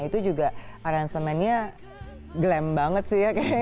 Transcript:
itu juga aransemennya glam banget sih ya